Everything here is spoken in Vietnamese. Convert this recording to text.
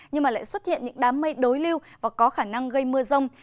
nhưng lại xuất hiện những đám mây đối lưu và có khả năng gây mưa rông